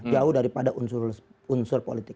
jauh daripada unsur politik